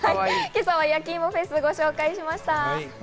今朝は、やきいもフェスをご紹介しました。